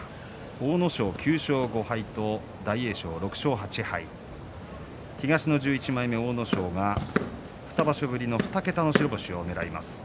阿武咲は９勝５敗大栄翔は６勝８敗東の１１枚目阿武咲が２場所ぶりの２桁の白星を目指します。